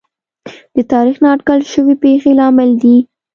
د تاریخ نااټکل شوې پېښې لامل دي.